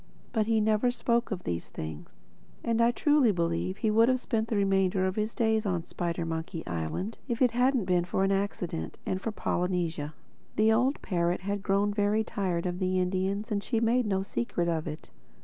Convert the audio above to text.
But he never spoke of these things. And I truly believe he would have spent the remainder of his days on Spidermonkey Island if it hadn't been for an accident—and for Polynesia. The old parrot had grown very tired of the Indians and she made no secret of it.